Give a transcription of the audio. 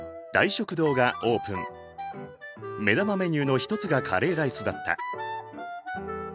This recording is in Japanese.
目玉メニューの一つがカレーライスだった。